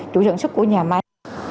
chủ sản xuất của nhà máy